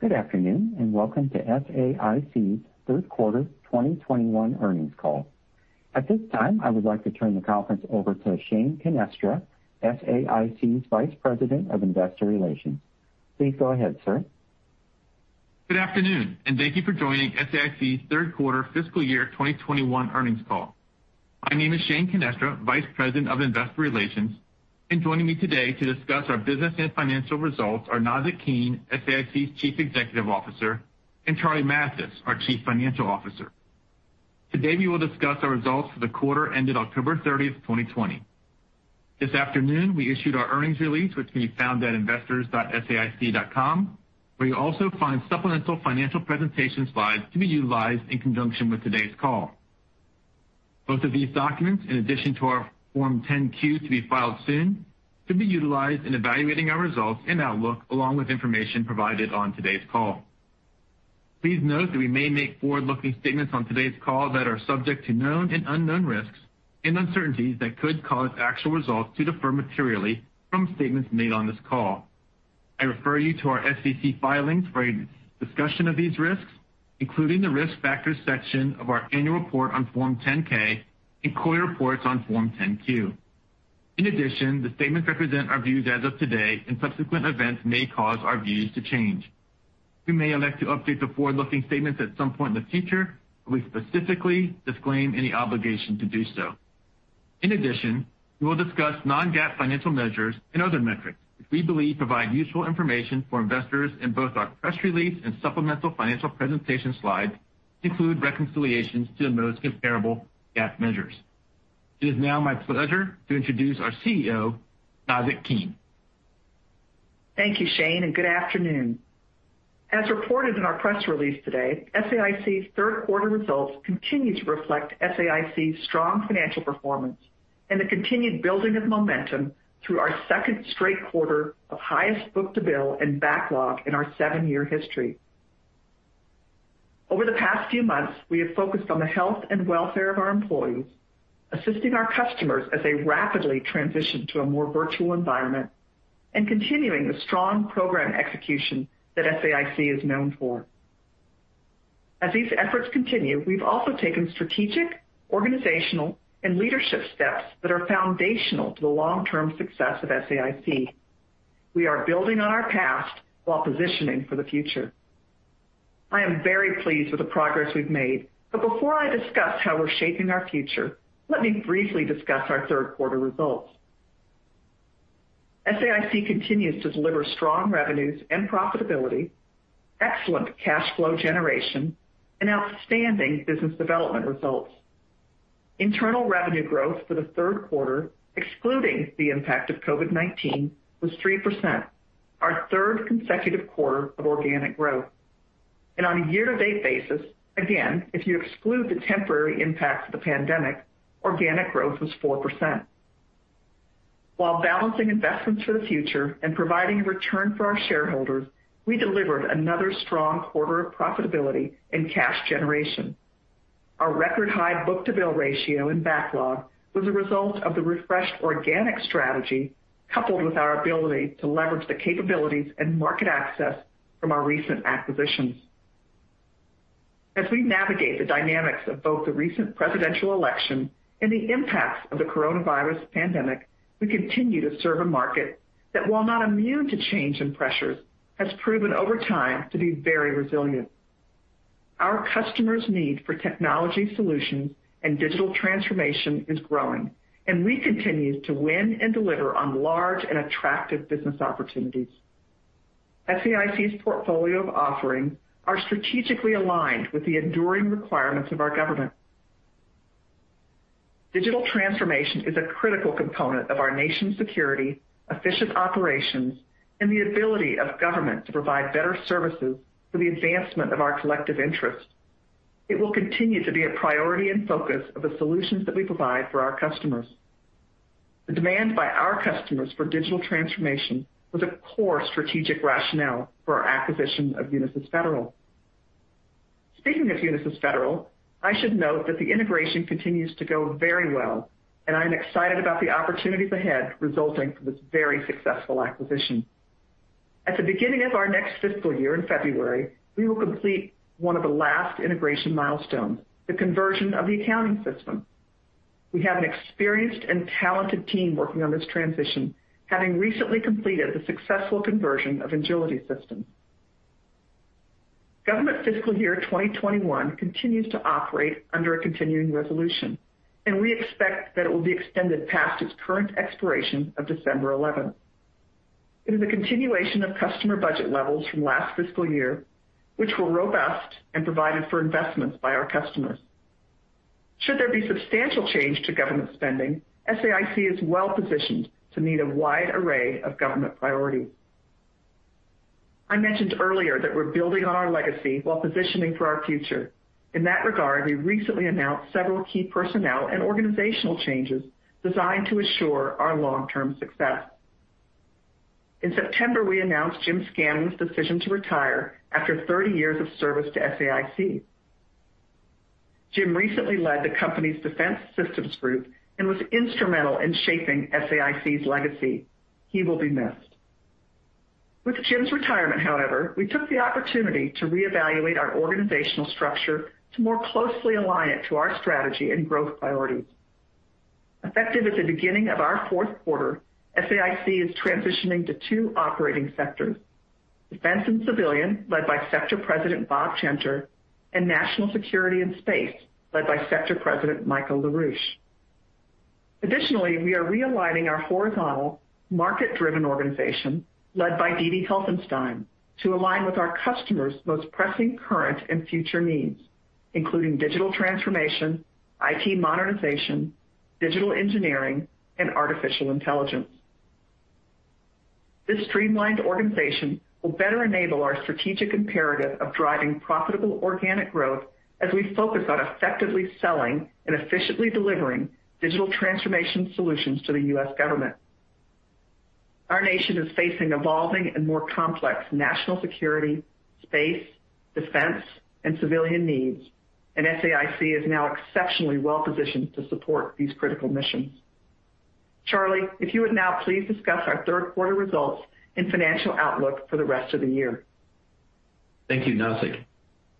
Good afternoon, welcome to SAIC's third quarter 2021 earnings call. At this time, I would like to turn the conference over to Shane Canestra, SAIC's Vice President of Investor Relations. Please go ahead, sir. Good afternoon, and thank you for joining SAIC's third quarter fiscal year 2021 earnings call. My name is Shane Canestra, Vice President of Investor Relations, and joining me today to discuss our business and financial results are Nazzic Keene, SAIC's Chief Executive Officer, and Charlie Mathis, our Chief Financial Officer. Today, we will discuss our results for the quarter ended October 30th, 2020. This afternoon, we issued our earnings release, which can be found at investors.saic.com, where you'll also find supplemental financial presentation slides to be utilized in conjunction with today's call. Both of these documents, in addition to our Form 10-Q to be filed soon, can be utilized in evaluating our results and outlook, along with information provided on today's call. Please note that we may make forward-looking statements on today's call that are subject to known and unknown risks and uncertainties that could cause actual results to differ materially from statements made on this call. I refer you to our SEC filings for a discussion of these risks, including the Risk Factors section of our annual report on Form 10-K and quarterly reports on Form 10-Q. The statements represent our views as of today, and subsequent events may cause our views to change. We may elect to update the forward-looking statements at some point in the future, but we specifically disclaim any obligation to do so. We will discuss non-GAAP financial measures and other metrics that we believe provide useful information for investors, and both our press release and supplemental financial presentation slides include reconciliations to the most comparable GAAP measures. It is now my pleasure to introduce our CEO, Nazzic Keene. Thank you, Shane, and good afternoon. As reported in our press release today, SAIC's third quarter results continue to reflect SAIC's strong financial performance and the continued building of momentum through our second straight quarter of highest book-to-bill and backlog in our seven-year history. Over the past few months, we have focused on the health and welfare of our employees, assisting our customers as they rapidly transition to a more virtual environment, and continuing the strong program execution that SAIC is known for. As these efforts continue, we've also taken strategic, organizational, and leadership steps that are foundational to the long-term success of SAIC. We are building on our past while positioning for the future. I am very pleased with the progress we've made, but before I discuss how we're shaping our future, let me briefly discuss our third quarter results. SAIC continues to deliver strong revenues and profitability, excellent cash flow generation, and outstanding business development results. Internal revenue growth for the 3rd quarter, excluding the impact of COVID-19, was 3%, our 3rd consecutive quarter of organic growth. On a year-to-date basis, again, if you exclude the temporary impacts of the pandemic, organic growth was 4%. While balancing investments for the future and providing a return for our shareholders, we delivered another strong quarter of profitability and cash generation. Our record-high book-to-bill ratio and backlog was a result of the refreshed organic strategy, coupled with our ability to leverage the capabilities and market access from our recent acquisitions. As we navigate the dynamics of both the recent presidential election and the impacts of the coronavirus pandemic, we continue to serve a market that, while not immune to change and pressures, has proven over time to be very resilient. Our customers' need for technology solutions and digital transformation is growing, and we continue to win and deliver on large and attractive business opportunities. SAIC's portfolio of offerings are strategically aligned with the enduring requirements of our government. Digital transformation is a critical component of our nation's security, efficient operations, and the ability of government to provide better services for the advancement of our collective interests. It will continue to be a priority and focus of the solutions that we provide for our customers. The demand by our customers for digital transformation was a core strategic rationale for our acquisition of Unisys Federal. Speaking of Unisys Federal, I should note that the integration continues to go very well, and I'm excited about the opportunities ahead resulting from this very successful acquisition. At the beginning of our next fiscal year in February, we will complete one of the last integration milestones, the conversion of the accounting system. We have an experienced and talented team working on this transition, having recently completed the successful conversion of Engility systems. Government fiscal year 2021 continues to operate under a continuing resolution. We expect that it will be extended past its current expiration of December 11th. It is a continuation of customer budget levels from last fiscal year, which were robust and provided for investments by our customers. Should there be substantial change to government spending, SAIC is well-positioned to meet a wide array of government priorities. I mentioned earlier that we're building on our legacy while positioning for our future. In that regard, we recently announced several key personnel and organizational changes designed to assure our long-term success. In September, we announced Jim Scanlon's decision to retire after 30 years of service to SAIC. Jim recently led the company's Defense Systems Group and was instrumental in shaping SAIC's legacy. He will be missed. With Jim's retirement, however, we took the opportunity to reevaluate our organizational structure to more closely align it to our strategy and growth priorities. Effective at the beginning of our fourth quarter, SAIC is transitioning to two operating sectors, Defense and Civilian, led by Sector President Bob Genter, and National Security and Space, led by Sector President Michael LaRouche. Additionally, we are realigning our horizontal market-driven organization led by Dee Dee Helfenstein to align with our customers' most pressing current and future needs, including digital transformation, IT modernization, digital engineering, and artificial intelligence. This streamlined organization will better enable our strategic imperative of driving profitable organic growth as we focus on effectively selling and efficiently delivering digital transformation solutions to the U.S. government. Our nation is facing evolving and more complex national security, space, defense, and civilian needs, and SAIC is now exceptionally well-positioned to support these critical missions. Charlie, if you would now please discuss our third quarter results and financial outlook for the rest of the year. Thank you, Nazzic.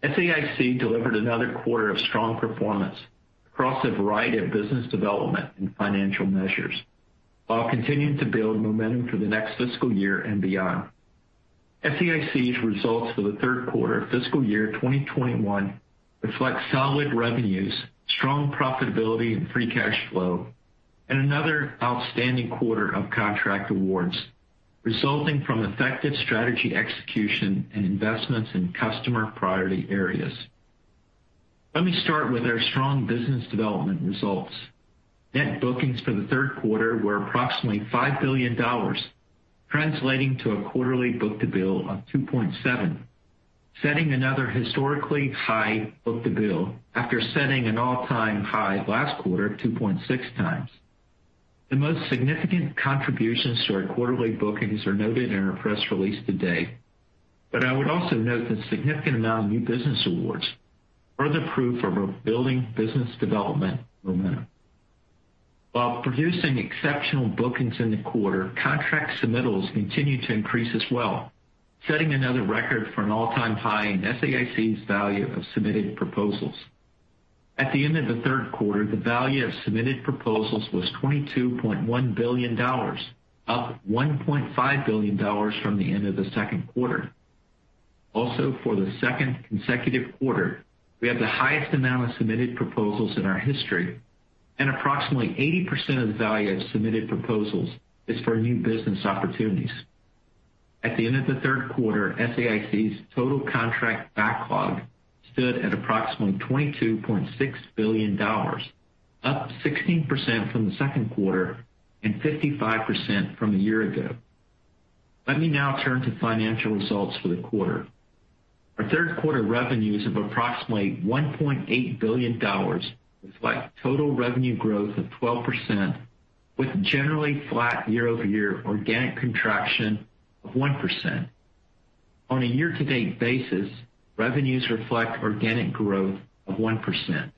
SAIC delivered another quarter of strong performance across a variety of business development and financial measures, while continuing to build momentum for the next fiscal year and beyond. SAIC's results for the third quarter of fiscal year 2021 reflect solid revenues, strong profitability and free cash flow, and another outstanding quarter of contract awards, resulting from effective strategy execution and investments in customer priority areas. Let me start with our strong business development results. Net bookings for the third quarter were approximately $5 billion, translating to a quarterly book-to-bill of 2.7, setting another historically high book-to-bill after setting an all-time high last quarter of 2.6x. The most significant contributions to our quarterly bookings are noted in our press release today, but I would also note the significant amount of new business awards, further proof of our building business development momentum. While producing exceptional bookings in the quarter, contract submittals continued to increase as well, setting another record for an all-time high in SAIC's value of submitted proposals. At the end of the third quarter, the value of submitted proposals was $22.1 billion, up $1.5 billion from the end of the second quarter. For the second consecutive quarter, we have the highest amount of submitted proposals in our history, and approximately 80% of the value of submitted proposals is for new business opportunities. At the end of the third quarter, SAIC's total contract backlog stood at approximately $22.6 billion, up 16% from the second quarter and 55% from a year ago. Let me now turn to financial results for the quarter. Our third quarter revenues of approximately $1.8 billion reflect total revenue growth of 12%, with generally flat year-over-year organic contraction of 1%. On a year-to-date basis, revenues reflect organic growth of 1%.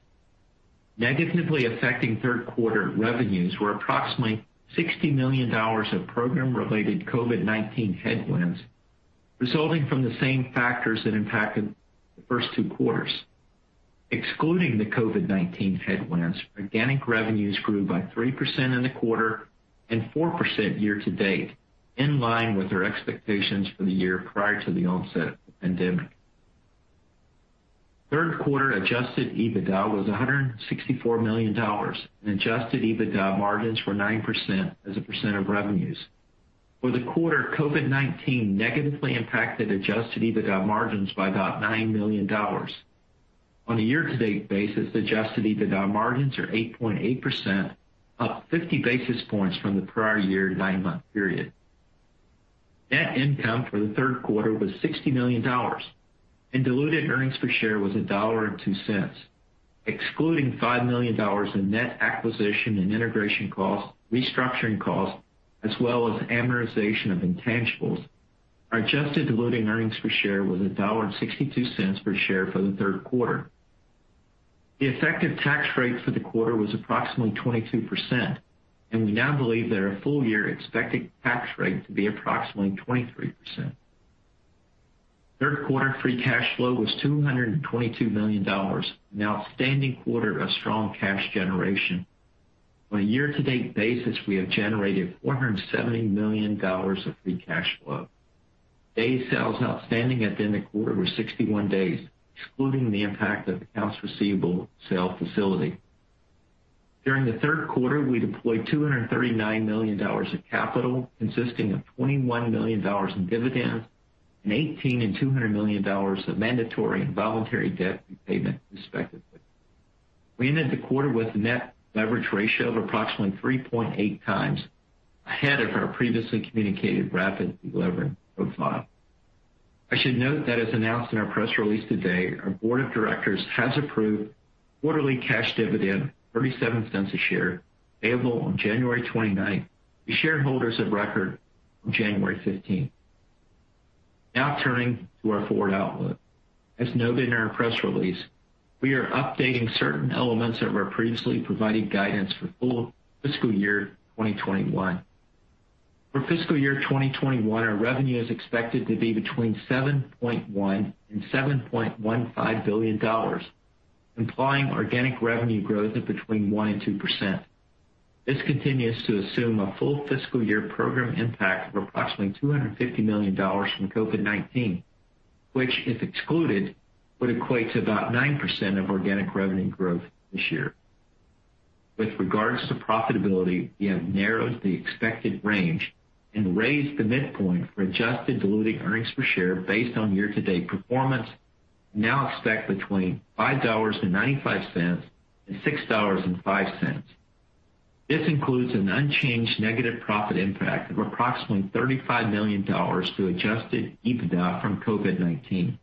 Negatively affecting third quarter revenues were approximately $60 million of program-related COVID-19 headwinds resulting from the same factors that impacted the first two quarters. Excluding the COVID-19 headwinds, organic revenues grew by 3% in the quarter and 4% year-to-date, in line with our expectations for the year prior to the onset of the pandemic. Third quarter adjusted EBITDA was $164 million, and adjusted EBITDA margins were 9% as a percent of revenues. For the quarter, COVID-19 negatively impacted adjusted EBITDA margins by about $9 million. On a year-to-date basis, adjusted EBITDA margins are 8.8%, up 50 basis points from the prior year nine-month period. Net income for the third quarter was $60 million, and diluted earnings per share was $1.02. Excluding $5 million in net acquisition and integration costs, restructuring costs, as well as amortization of intangibles, our adjusted diluted earnings per share was $1.62 per share for the third quarter. The effective tax rate for the quarter was approximately 22%, and we now believe that our full-year expected tax rate to be approximately 23%. Third quarter free cash flow was $222 million, an outstanding quarter of strong cash generation. On a year-to-date basis, we have generated $470 million of free cash flow. Days sales outstanding at the end of the quarter were 61 days, excluding the impact of accounts receivable sale facility. During the third quarter, we deployed $239 million of capital, consisting of $21 million in dividends and $18 million-$200 million of mandatory and voluntary debt repayment, respectively. We ended the quarter with a net leverage ratio of approximately 3.8x, ahead of our previously communicated rapid delevering profile. I should note that as announced in our press release today, our board of directors has approved quarterly cash dividend $0.37 a share, payable on January 29th to shareholders of record on January 15th. Turning to our forward outlook. As noted in our press release, we are updating certain elements of our previously provided guidance for full fiscal year 2021. For fiscal year 2021, our revenue is expected to be between $7.1 billion and $7.15 billion, implying organic revenue growth of between 1% and 2%. This continues to assume a full fiscal year program impact of approximately $250 million from COVID-19, which, if excluded, would equate to about 9% of organic revenue growth this year. With regards to profitability, we have narrowed the expected range and raised the midpoint for adjusted diluted earnings per share based on year-to-date performance, now expect between $5.95 and $6.05. This includes an unchanged negative profit impact of approximately $35 million to adjusted EBITDA from COVID-19.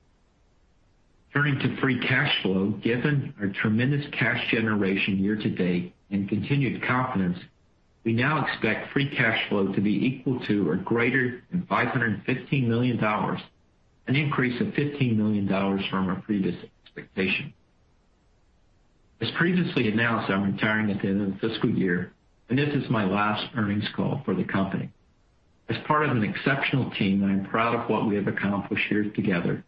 Turning to free cash flow, given our tremendous cash generation year-to-date and continued confidence, we now expect free cash flow to be equal to or greater than $515 million, an increase of $15 million from our previous expectation. As previously announced, I'm retiring at the end of the fiscal year, and this is my last earnings call for the company. As part of an exceptional team, I'm proud of what we have accomplished here together,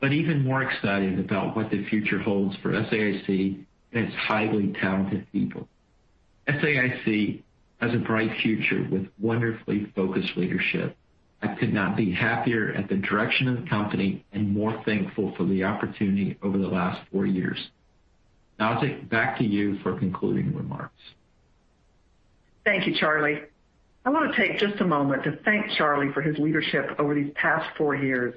but even more excited about what the future holds for SAIC and its highly talented people. SAIC has a bright future with wonderfully focused leadership. I could not be happier at the direction of the company and more thankful for the opportunity over the last four years. Nazzic, back to you for concluding remarks. Thank you, Charlie. I want to take just a moment to thank Charlie for his leadership over these past four years.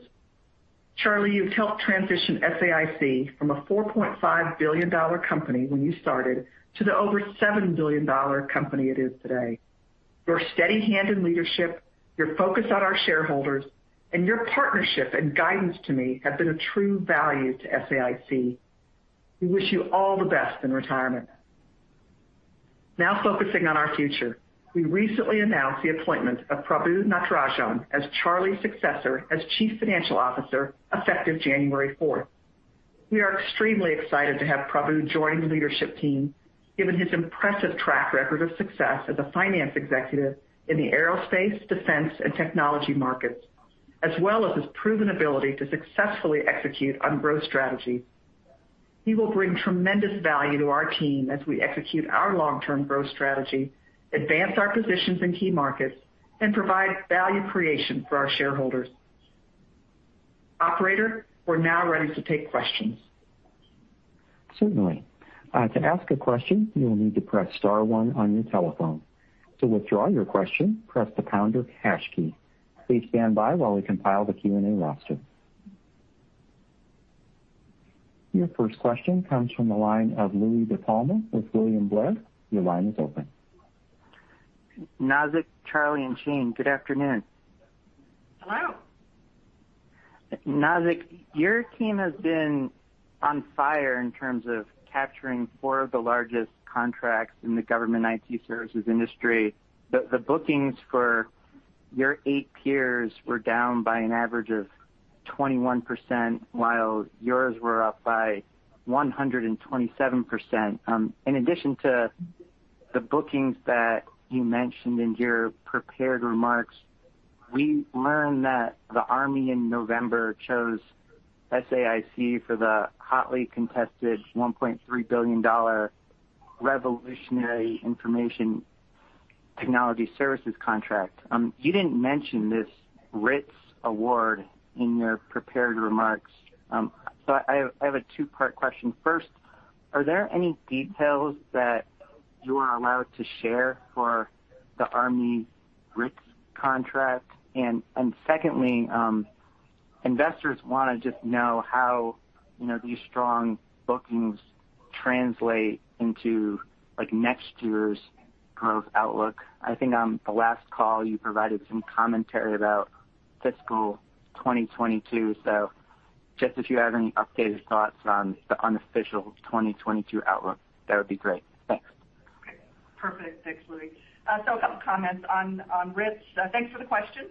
Charlie, you've helped transition SAIC from a $4.5 billion company when you started to the over $7 billion company it is today. Your steady hand in leadership, your focus on our shareholders, and your partnership and guidance to me have been a true value to SAIC. We wish you all the best in retirement. Focusing on our future. We recently announced the appointment of Prabu Natarajan as Charlie's successor as Chief Financial Officer effective January 4th. We are extremely excited to have Prabu join the leadership team, given his impressive track record of success as a finance executive in the aerospace, defense, and technology markets, as well as his proven ability to successfully execute on growth strategies. He will bring tremendous value to our team as we execute our long-term growth strategy, advance our positions in key markets, and provide value creation for our shareholders. Operator, we're now ready to take questions. Certainly. To ask a question, you will need to press star one on your telephone. To withdraw your question, press the pound or hash key. Please stand by while we compile the Q&A roster. Your first question comes from the line of Louie DiPalma with William Blair. Your line is open. Nazzic, Charlie, and Shane, good afternoon. Hello. Nazzic, your team has been on fire in terms of capturing four of the largest contracts in the government IT services industry. The bookings for your eight peers were down by an average of 21%, while yours were up by 127%. In addition to the bookings that you mentioned in your prepared remarks, we learned that the Army in November chose SAIC for the hotly contested $1.3 billion Revolutionary Information Technology Services contract. You didn't mention this RITS award in your prepared remarks. I have a two-part question. First, are there any details that you are allowed to share for the Army's RITS contract? Secondly, investors want to just know how these strong bookings translate into next year's growth outlook. I think on the last call, you provided some commentary about fiscal 2022. Just if you have any updated thoughts on the unofficial 2022 outlook, that would be great. Thanks. Okay. Perfect. Thanks, Louie. A couple comments on RITS. Thanks for the question.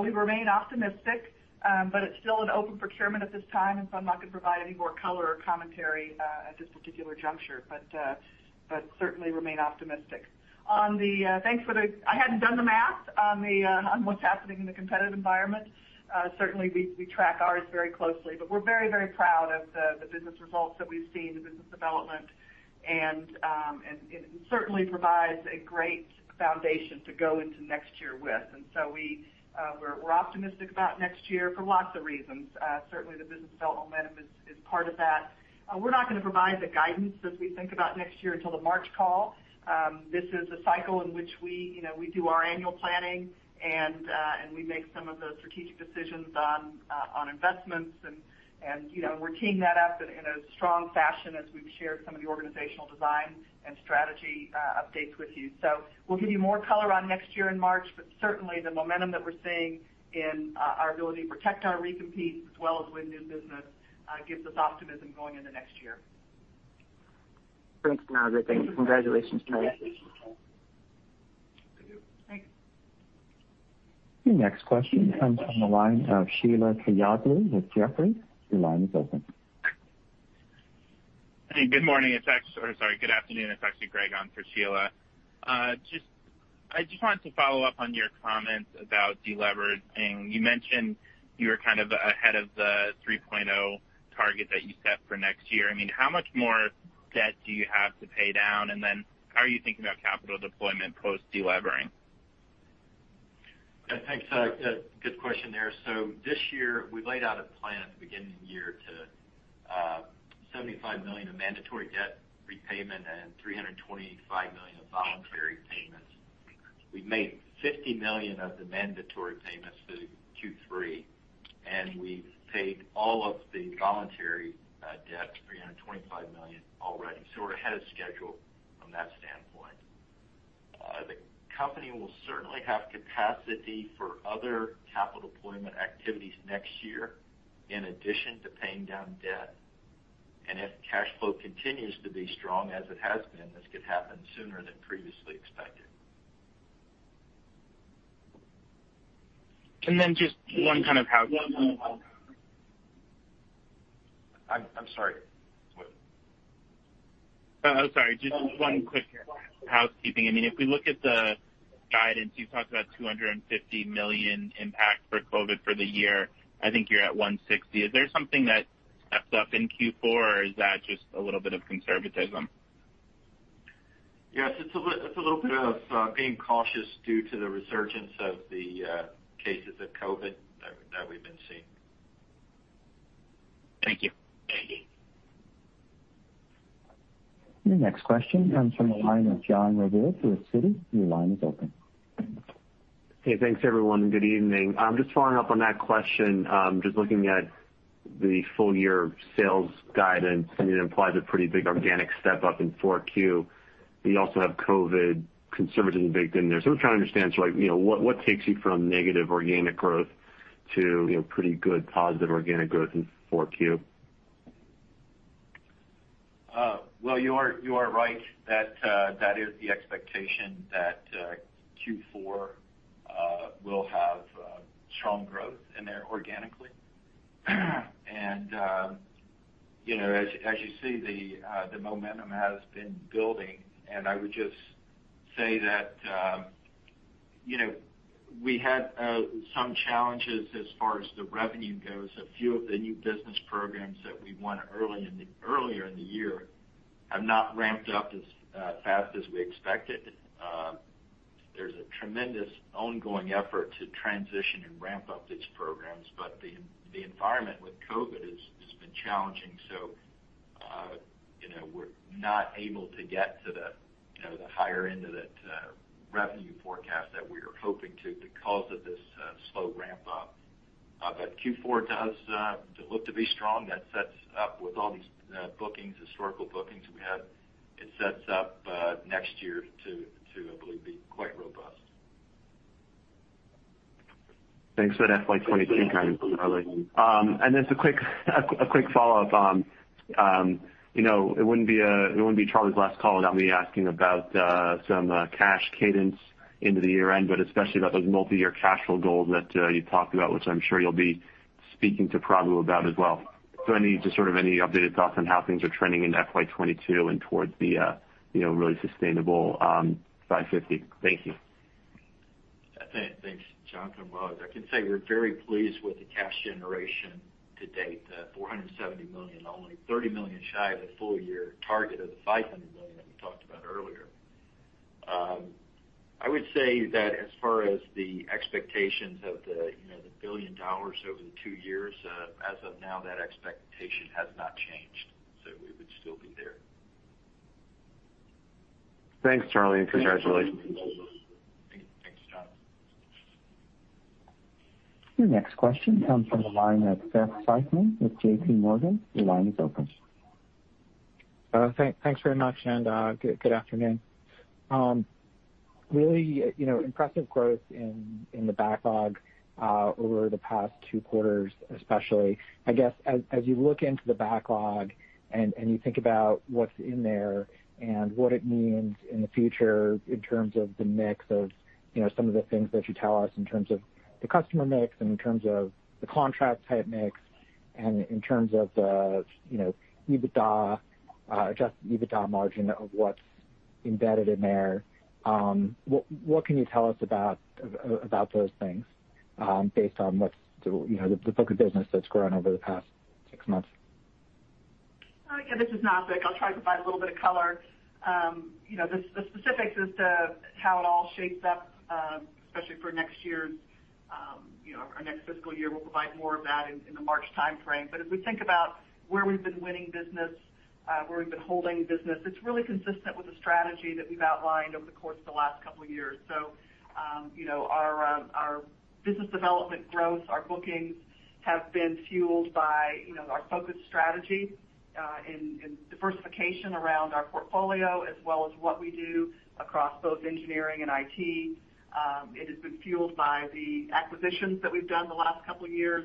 We remain optimistic, but it's still an open procurement at this time, and so I'm not going to provide any more color or commentary at this particular juncture. Certainly remain optimistic. I hadn't done the math on what's happening in the competitive environment. Certainly, we track ours very closely, but we're very proud of the business results that we've seen, the business development, and it certainly provides a great foundation to go into next year with. We're optimistic about next year for lots of reasons. Certainly, the business development is part of that. We're not going to provide the guidance as we think about next year until the March call. This is a cycle in which we do our annual planning, and we make some of the strategic decisions on investments, and we're teeing that up in as strong fashion as we've shared some of the organizational design and strategy updates with you. We'll give you more color on next year in March, but certainly the momentum that we're seeing in our ability to protect our recompete as well as win new business gives us optimism going into next year. Thanks, Nazzic. Thanks, and congratulations. Thank you. Thanks. Your next question comes from the line of Sheila Kahyaoglu with Jefferies. Your line is open. Hey, good morning. Sorry, good afternoon. It's actually Greg on for Sheila. I just wanted to follow up on your comments about de-leveraging. You mentioned you were kind of ahead of the 3.0 target that you set for next year. How much more debt do you have to pay down? How are you thinking about capital deployment post de-levering? Yeah, thanks. Good question there. This year we laid out a plan at the beginning of the year to $75 million of mandatory debt repayment and $325 million of voluntary payments. We've made $50 million of the mandatory payments through Q3, and we've paid all of the voluntary debt, $325 million, already. We're ahead of schedule from that standpoint. The company will certainly have capacity for other capital deployment activities next year in addition to paying down debt. If cash flow continues to be strong as it has been, this could happen sooner than previously expected. Just one kind of housekeeping. I'm sorry, what? Oh, sorry. Just one quick housekeeping. If we look at the guidance, you talked about $250 million impact for COVID for the year. I think you're at $160 million. Is there something that steps up in Q4, or is that just a little bit of conservatism? Yes, it's a little bit of being cautious due to the resurgence of the cases of COVID that we've been seeing. Thank you. Thank you. Your next question comes from the line of Jon Raviv with Citi. Your line is open. Hey, thanks, everyone. Good evening. Just following up on that question. Just looking at the full-year sales guidance, it implies a pretty big organic step-up in 4Q. You also have COVID conservatism baked in there. I'm trying to understand, what takes you from negative organic growth to pretty good positive organic growth in 4Q? Well, you are right. That is the expectation that Q4 will have strong growth in there organically. As you see, the momentum has been building, and I would just say that we had some challenges as far as the revenue goes. A few of the new business programs that we won earlier in the year have not ramped up as fast as we expected. There's a tremendous ongoing effort to transition and ramp up these programs. The environment with COVID has been challenging, so we're not able to get to the higher end of that revenue forecast that we were hoping to because of this slow ramp-up. Q4 does look to be strong. That sets up with all these bookings, historical bookings we have. It sets up next year to, I believe, be quite robust. Thanks for that FY 2022 kind of color. Then a quick follow-up on-- it wouldn't be Charlie's last call without me asking about some cash cadence into the year-end, but especially about those multi-year cash flow goals that you talked about, which I'm sure you'll be speaking to Prabu about as well. Any just sort of any updated thoughts on how things are trending into FY 2022 and towards the really sustainable $550? Thank you. Thanks, Jon. Well, I can say we're very pleased with the cash generation to date, $470 million, only $30 million shy of the full-year target of the $500 million that we talked about earlier. I would say that as far as the expectations of the $1 billion over the two years, as of now, that expectation has not changed. We would still be there. Thanks, Charlie, and congratulations. Thanks, Jon. Your next question comes from the line of Seth Seifman with JPMorgan. Your line is open. Thanks very much, and good afternoon. Really impressive growth in the backlog over the past two quarters, especially. I guess, as you look into the backlog and you think about what's in there and what it means in the future in terms of the mix of some of the things that you tell us in terms of the customer mix and in terms of the contract type mix and in terms of the adjusted EBITDA margin of what's embedded in there. What can you tell us about those things based on the book of business that's grown over the past six months? Yeah, this is Nazzic. I'll try to provide a little bit of color. The specifics as to how it all shapes up, especially for our next fiscal year, we'll provide more of that in the March timeframe. As we think about where we've been winning business, where we've been holding business, it's really consistent with the strategy that we've outlined over the course of the last couple of years. Our business development growth, our bookings have been fueled by our focused strategy in diversification around our portfolio as well as what we do across both engineering and IT. It has been fueled by the acquisitions that we've done the last couple of years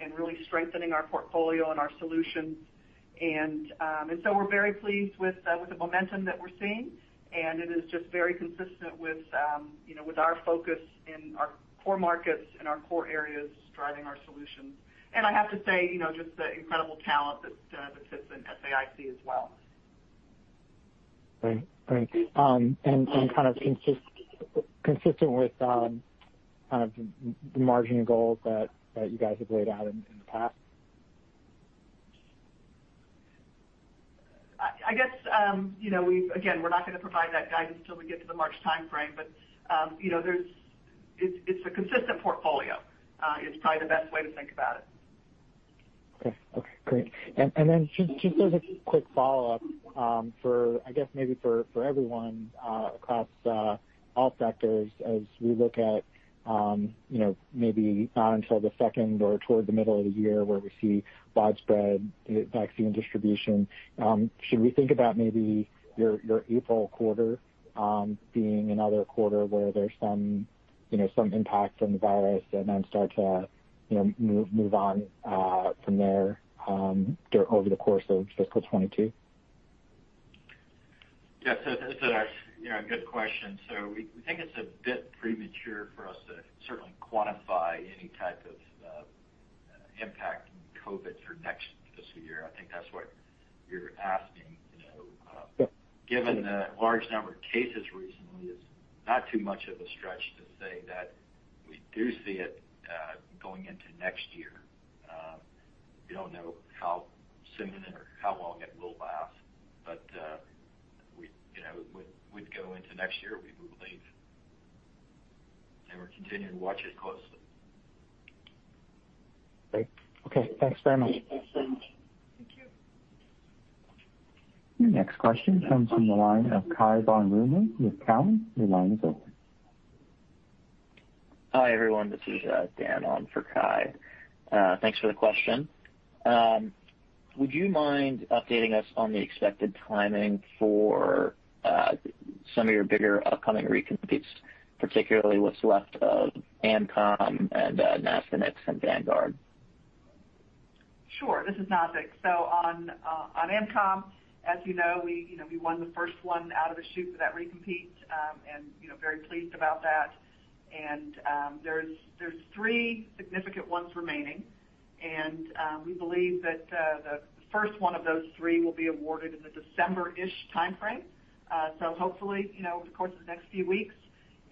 and really strengthening our portfolio and our solutions. We're very pleased with the momentum that we're seeing, and it is just very consistent with our focus in our core markets and our core areas driving our solutions. I have to say, just the incredible talent that sits in SAIC as well. Great. kind of consistent with the margin goals that you guys have laid out in the past? I guess, again, we're not going to provide that guidance till we get to the March timeframe, but it's a consistent portfolio, is probably the best way to think about it. Okay. Great. Just as a quick follow-up, I guess maybe for everyone, across all sectors, as we look at maybe not until the second or toward the middle of the year where we see widespread vaccine distribution, should we think about maybe your April quarter being another quarter where there's some impact from the virus and then start to move on from there over the course of fiscal 2022? That's a good question. We think it's a bit premature for us to certainly quantify any type of impact from COVID for next fiscal year. I think that's what you're asking. Yes. Given the large number of cases recently, it's not too much of a stretch to say that we do see it going into next year. We don't know how similar, how long it will last, but we'd go into next year, we believe, and we're continuing to watch it closely. Great. Okay. Thanks very much. Thank you. Your next question comes from the line of Cai von Rumohr with Cowen. Your line is open. Hi, everyone. This is Dan on for Cai. Thanks for the question. Would you mind updating us on the expected timing for some of your bigger upcoming recompetes, particularly what's left of AMCOM and NASA NICS and Vanguard? Sure. This is Nazzic. On AMCOM, as you know, we won the first one out of the chute for that recompete, and very pleased about that. There's three significant ones remaining, and we believe that the first one of those three will be awarded in the December-ish timeframe. Hopefully, over the course of the next few weeks,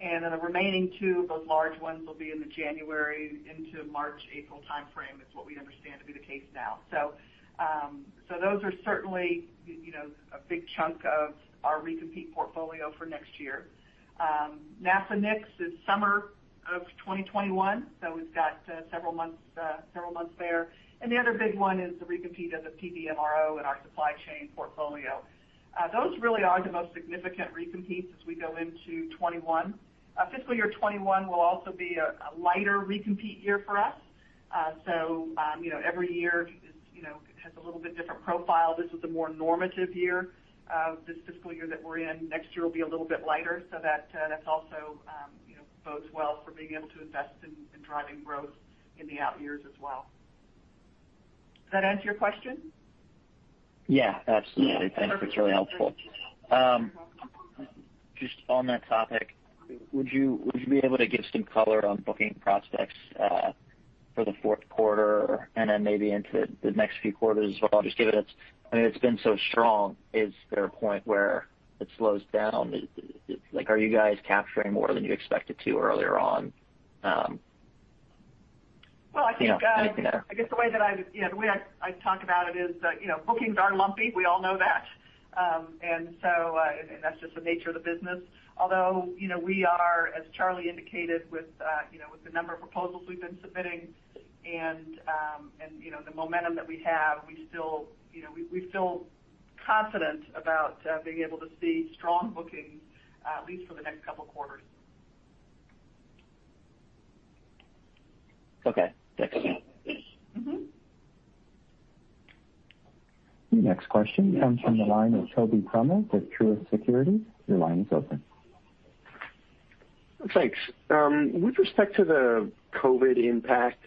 and then the remaining two of those large ones will be in the January into March, April timeframe, is what we understand to be the case now. Those are certainly a big chunk of our recompete portfolio for next year. NASA NICS is summer of 2021, so we've got several months there. The other big one is the recompete of the PV MRO in our supply chain portfolio. Those really are the most significant recompetes as we go into 2021. Fiscal year 2021 will also be a lighter recompete year for us. Every year has a little bit different profile. This is a more normative year, this fiscal year that we're in. Next year will be a little bit lighter, so that also bodes well for being able to invest in driving growth in the out years as well. Does that answer your question? Yeah, absolutely. Thanks. That's really helpful. You're welcome. Just on that topic, would you be able to give some color on booking prospects for the fourth quarter and then maybe into the next few quarters as well? I mean, it's been so strong. Is there a point where it slows down? Are you guys capturing more than you expected to earlier on? Well, I think. Anything there? I guess the way I talk about it is, bookings are lumpy. We all know that. That's just the nature of the business. Although, we are, as Charlie indicated, with the number of proposals we've been submitting and the momentum that we have, we feel confident about being able to see strong bookings, at least for the next couple of quarters. Okay. Thanks. Your next question comes from the line of Tobey Sommer with Truist Securities. Your line is open. Thanks. With respect to the COVID impact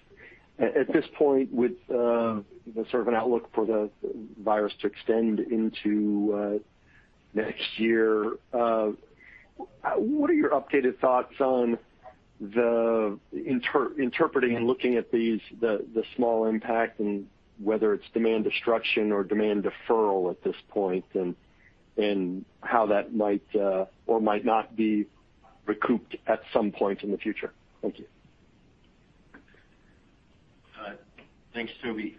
at this point, with the sort of an outlook for the virus to extend into next year, what are your updated thoughts on the interpreting and looking at the small impact and whether it's demand destruction or demand deferral at this point, and how that might or might not be recouped at some point in the future? Thank you. Thanks, Tobey.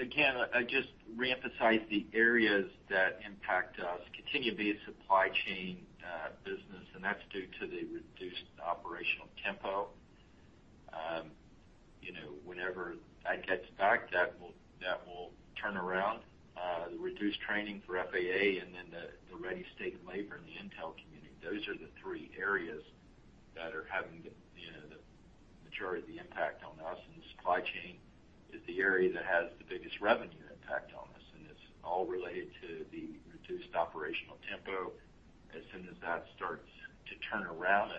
Again, I just reemphasize the areas that impact us continue to be supply chain business, and that's due to the reduced operational tempo. Whenever that gets back, that will turn around. The reduced training for FAA and then the ready state of labor in the intel community, those are the three areas that are having the majority of the impact on us, and the supply chain is the area that has the biggest revenue impact. It's all related to the reduced operational tempo. As soon as that starts to turn around,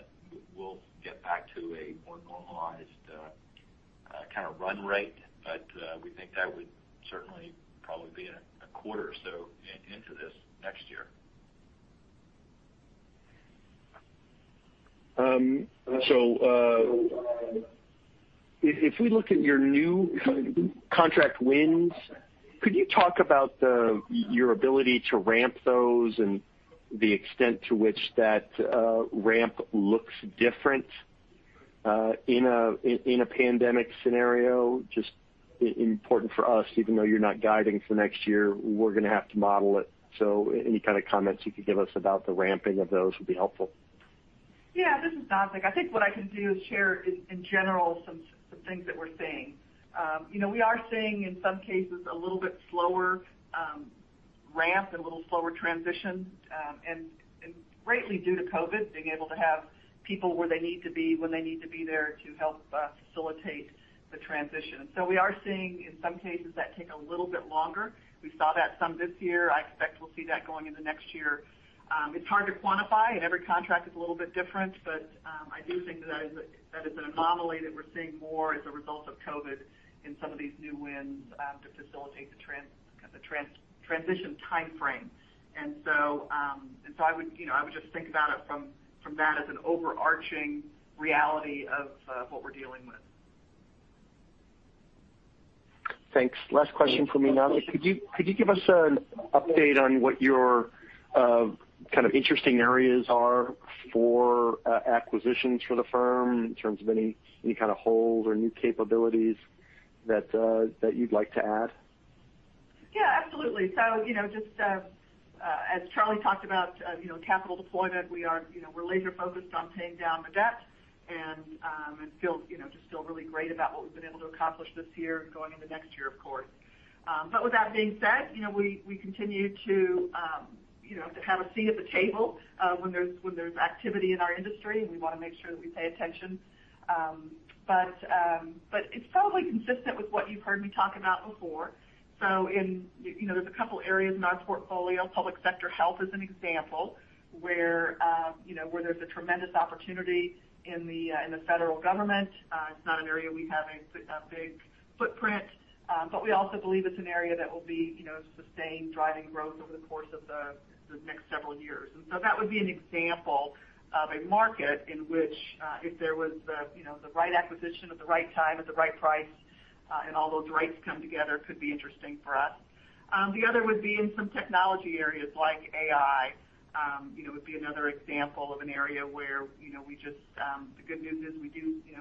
we'll get back to a more normalized kind of run rate. We think that would certainly probably be in a quarter or so into this next year. If we look at your new contract wins, could you talk about your ability to ramp those and the extent to which that ramp looks different in a pandemic scenario? Just important for us, even though you're not guiding for next year, we're going to have to model it. Any kind of comments you could give us about the ramping of those would be helpful. Yeah, this is Nazzic. I think what I can do is share in general some things that we're seeing. We are seeing, in some cases, a little bit slower ramp and a little slower transition, greatly due to COVID, being able to have people where they need to be, when they need to be there to help facilitate the transition. We are seeing, in some cases, that take a little bit longer. We saw that some this year. I expect we'll see that going into next year. It's hard to quantify, and every contract is a little bit different, but I do think that it's an anomaly that we're seeing more as a result of COVID in some of these new wins to facilitate the transition timeframe. I would just think about it from that as an overarching reality of what we're dealing with. Thanks. Last question from me, Nazzic. Could you give us an update on what your kind of interesting areas are for acquisitions for the firm in terms of any kind of holes or new capabilities that you'd like to add? Yeah, absolutely. Just as Charlie talked about capital deployment, we're laser-focused on paying down the debt, and just feel really great about what we've been able to accomplish this year and going into next year, of course. With that being said, we continue to have a seat at the table when there's activity in our industry, and we want to make sure that we pay attention. It's probably consistent with what you've heard me talk about before. There's a couple areas in our portfolio. Public sector health is an example where there's a tremendous opportunity in the federal government. It's not an area we have a big footprint. We also believe it's an area that will be sustained driving growth over the course of the next several years. That would be an example of a market in which if there was the right acquisition at the right time, at the right price, and all those rights come together, could be interesting for us. The other would be in some technology areas like AI. Would be another example of an area where the good news is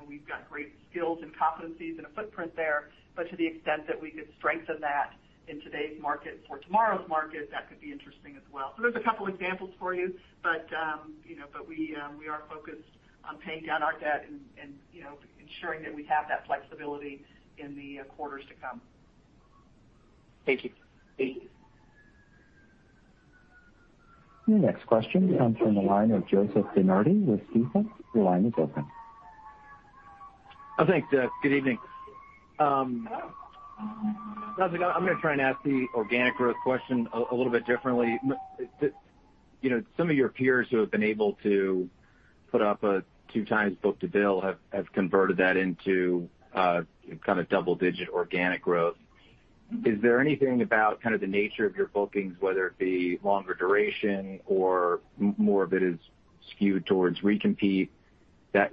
we've got great skills and competencies and a footprint there, but to the extent that we could strengthen that in today's market for tomorrow's market, that could be interesting as well. There's a couple examples for you, but we are focused on paying down our debt and ensuring that we have that flexibility in the quarters to come. Thank you. Thank you. Your next question comes from the line of Joseph DeNardi with Stifel. Your line is open. Thanks. Good evening. Nazzic, I'm going to try and ask the organic growth question a little bit differently. Some of your peers who have been able to put up a 2x book-to-bill have converted that into kind of double-digit organic growth. Is there anything about kind of the nature of your bookings, whether it be longer duration or more of it is skewed towards recompete, that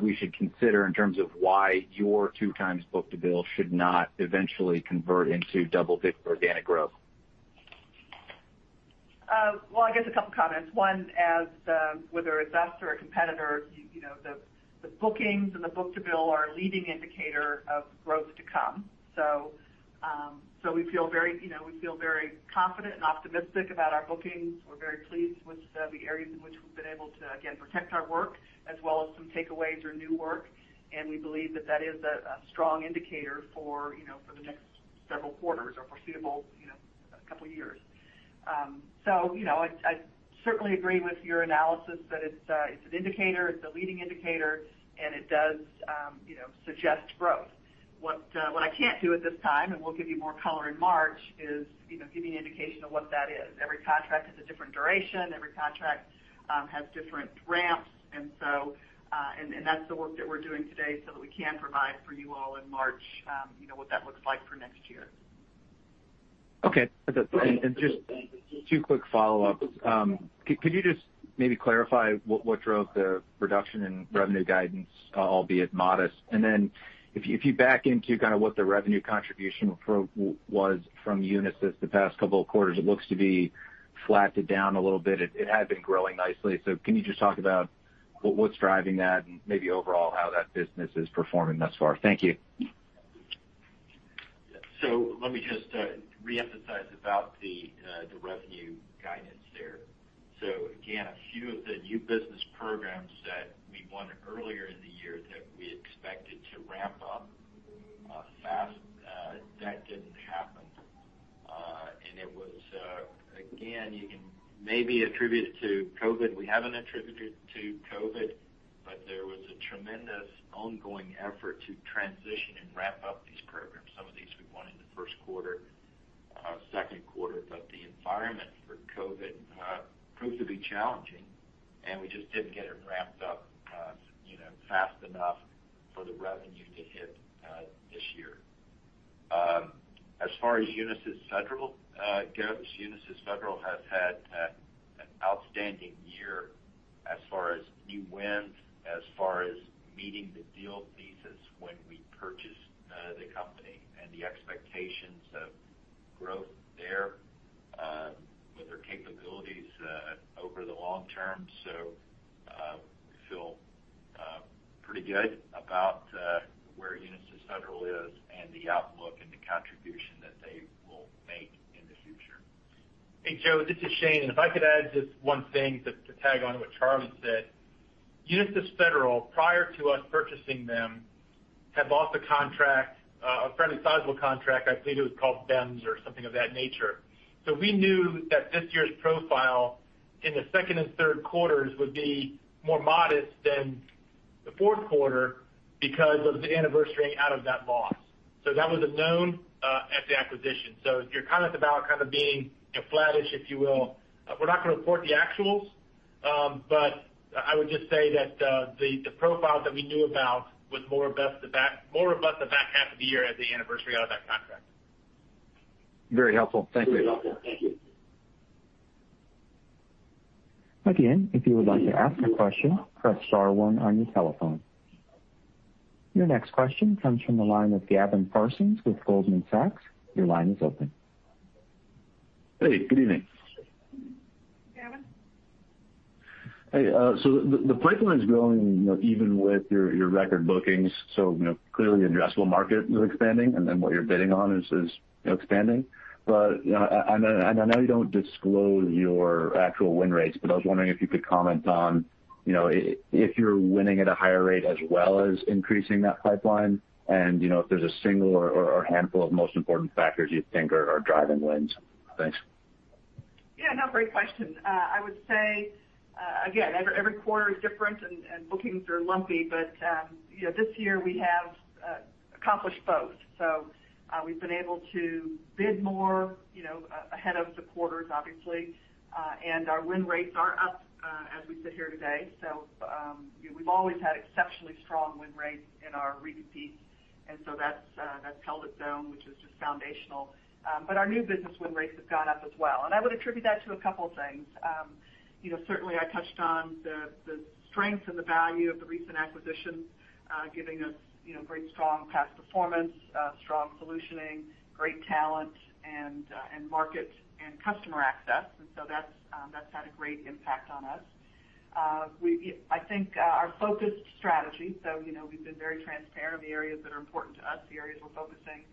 we should consider in terms of why your 2x book-to-bill should not eventually convert into double-digit organic growth? Well, I guess two comments. One, whether it's us or a competitor, the bookings and the book-to-bill are a leading indicator of growth to come. We feel very confident and optimistic about our bookings. We're very pleased with the areas in which we've been able to, again, protect our work as well as some takeaways or new work, and we believe that that is a strong indicator for the next several quarters or foreseeable two years. I certainly agree with your analysis that it's an indicator, it's a leading indicator, and it does suggest growth. What I can't do at this time, and we'll give you more color in March, is give you an indication of what that is. Every contract has a different duration, every contract has different ramps. That's the work that we're doing today so that we can provide for you all in March what that looks like for next year. Okay. Just two quick follow-ups. Could you just maybe clarify what drove the reduction in revenue guidance, albeit modest? If you back into kind of what the revenue contribution was from Unisys the past couple of quarters, it looks to be flatted down a little bit. It had been growing nicely. Can you just talk about what's driving that and maybe overall how that business is performing thus far? Thank you. Let me just reemphasize about the revenue guidance there. Again, a few of the new business programs that we won earlier in the year that we expected to ramp up fast, that didn't happen. It was, again, you can maybe attribute it to COVID. We haven't attributed it to COVID, but there was a tremendous ongoing effort to transition and ramp up these programs. Some of these we want in the first quarter, second quarter, but the environment for COVID proved to be challenging, and we just didn't get it ramped up fast enough for the revenue to hit this year. As far as Unisys Federal, Gavin, Unisys Federal has had an outstanding year as far as new wins, as far as meeting the deal thesis when we purchased the company and the expectations of growth there with their capabilities over the long term. We feel pretty good about where Unisys Federal is and the outlook and the contribution that they will make in the future. Hey, Joe, this is Shane. If I could add just one thing to tag on to what Charlie said. Unisys Federal, prior to us purchasing them, had lost a contract, a fairly sizable contract. I believe it was called BENS or something of that nature. We knew that this year's profile in the second and third quarters would be more modest than the fourth quarter because of the anniversary out of that loss. That was a known at the acquisition. Your comment about kind of being flattish, if you will, we're not going to report the actuals, but I would just say that the profile that we knew about was more robust the back half of the year as we anniversary out of that contract. Very helpful. Thank you. Very helpful. Thank you. Your next question comes from the line of Gavin Parsons with Goldman Sachs. Hey, good evening. Good evening. Gavin. Hey. The pipeline is growing even with your record bookings. Clearly addressable market is expanding, what you're bidding on is expanding. I know you don't disclose your actual win rates, but I was wondering if you could comment on if you're winning at a higher rate as well as increasing that pipeline and if there's a single or handful of most important factors you think are driving wins. Thanks. Yeah, no, great question. I would say, again, every quarter is different and bookings are lumpy. This year we have accomplished both. We've been able to bid more ahead of the quarters, obviously. Our win rates are up as we sit here today. We've always had exceptionally strong win rates in our repeat. That's held its own, which is just foundational. Our new business win rates have gone up as well. I would attribute that to a couple things. Certainly I touched on the strength and the value of the recent acquisitions giving us very strong past performance, strong solutioning, great talent, and market and customer access. That's had a great impact on us. I think our focused strategy, so we've been very transparent, the areas that are important to us, the areas we're focusing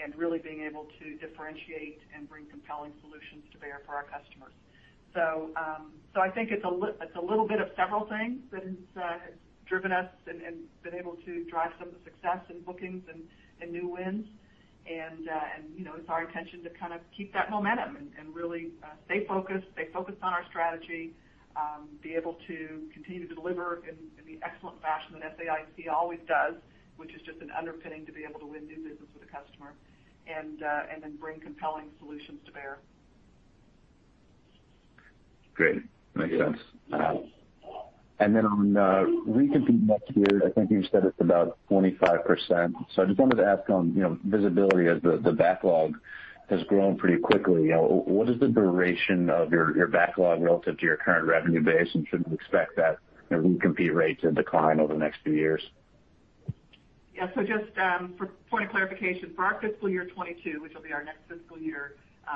and really being able to differentiate and bring compelling solutions to bear for our customers. I think it's a little bit of several things that has driven us and been able to drive some of the success in bookings and new wins. It's our intention to kind of keep that momentum and really stay focused, stay focused on our strategy, be able to continue to deliver in the excellent fashion that SAIC always does, which is just an underpinning to be able to win new business with a customer and then bring compelling solutions to bear. Great. Makes sense. On recompete next year, I think you said it's about 25%. I just wanted to ask on visibility as the backlog has grown pretty quickly. What is the duration of your backlog relative to your current revenue base, and should we expect that recompete rate to decline over the next few years? Yeah. Just for point of clarification, for our fiscal year 2022, which will be our next fiscal year,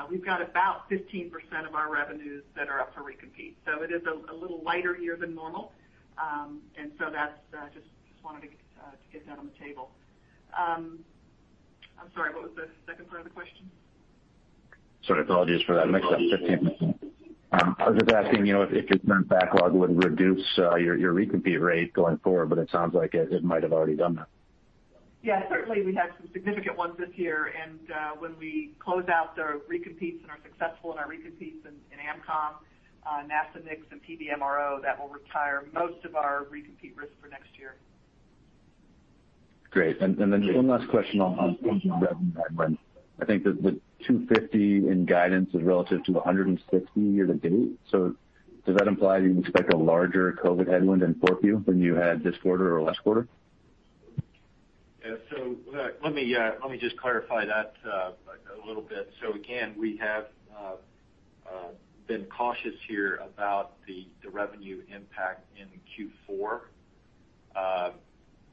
we've got about 15% of our revenues that are up for recompete. It is a little lighter year than normal. That's just wanted to get that on the table. I'm sorry, what was the second part of the question? Sorry, apologies for that mix up. 15%. I was just asking if your current backlog would reduce your recompete rate going forward, but it sounds like it might have already done that. Yeah, certainly we had some significant ones this year, and when we close out the recompetes and are successful in our recompetes in AMCOM, NASA NICS and PBMRO, that will retire most of our recompete risk for next year. Great. Just one last question on revenue and guidance. I think the 250 in guidance is relative to 160 year to date. Does that imply you expect a larger COVID headwind in 4Q than you had this quarter or last quarter? Yeah. Let me just clarify that a little bit. Again, we have been cautious here about the revenue impact in Q4.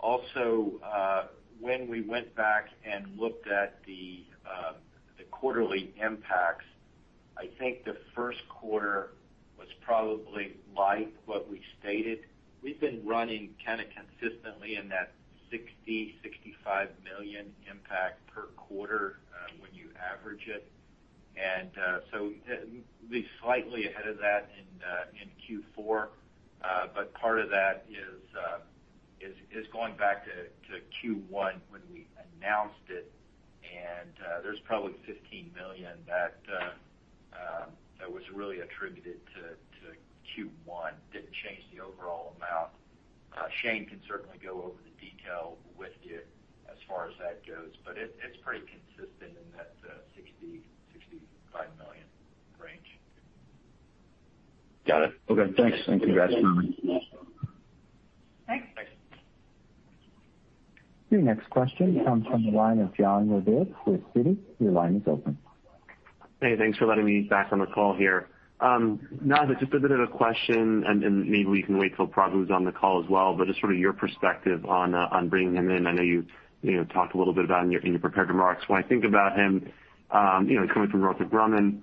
Also, when we went back and looked at the quarterly impacts, I think the first quarter was probably like what we stated. We've been running kind of consistently in that $60, $65 million impact per quarter when you average it. Be slightly ahead of that in Q4. Part of that is It's going back to Q1 when we announced it. There's probably $15 million that was really attributed to Q1. Didn't change the overall amount. Shane can certainly go over the detail with you as far as that goes, but it's pretty consistent in that $60 million-$65 million range. Got it. Okay, thanks, and congrats. Thanks. Your next question comes from the line of Jon Raviv with Citi. Your line is open. Hey, thanks for letting me back on the call here. Nazzic, just a bit of a question. Maybe we can wait till Prabu's on the call as well, but just sort of your perspective on bringing him in. I know you talked a little bit about it in your prepared remarks. When I think about him, coming from Northrop Grumman.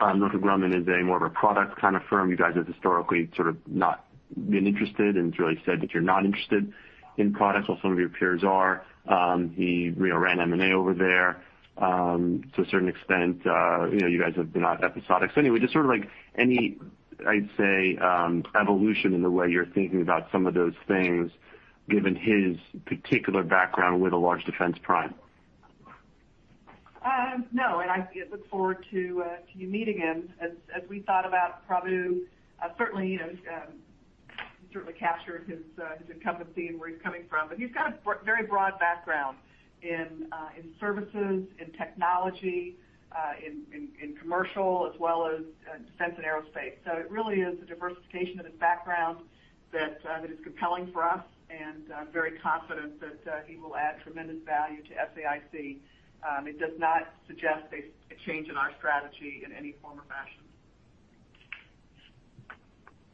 Northrop Grumman is a more of a product kind of firm. You guys have historically sort of not been interested and really said that you're not interested in products, while some of your peers are. He ran M&A over there to a certain extent. You guys have been episodic. Anyway, just sort of like any, I'd say, evolution in the way you're thinking about some of those things, given his particular background with a large defense prime. No. I look forward to you meeting him. As we thought about Prabu, certainly he captured his incumbency and where he's coming from, but he's got a very broad background in services, in technology, in commercial, as well as defense and aerospace. It really is the diversification of his background that is compelling for us, and I'm very confident that he will add tremendous value to SAIC. It does not suggest a change in our strategy in any form or fashion.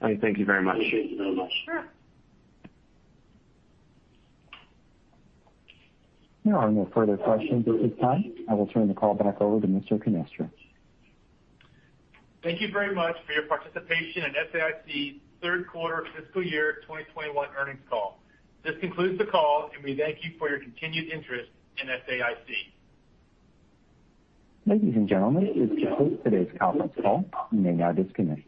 Okay, thank you very much. Thank you very much. Sure. There are no further questions at this time. I will turn the call back over to Mr. Canestra. Thank you very much for your participation in SAIC third quarter fiscal year 2021 earnings call. This concludes the call, and we thank you for your continued interest in SAIC. Ladies and gentlemen, this concludes today's conference call. You may now disconnect.